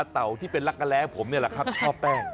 เต่าที่เป็นรักกะแร้ผมนี่แหละครับชอบแป้ง